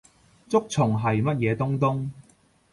竹蟲係乜嘢東東？